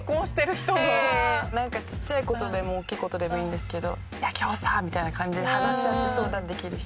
なんかちっちゃい事でも大きい事でもいいんですけど「ねえ今日さ」みたいな感じで話し合って相談できる人。